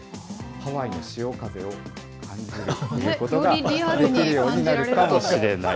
ハワイの潮風を感じるということができるようになるかもしれない。